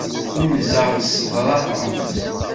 Unzeɣ s ḍḍrafa.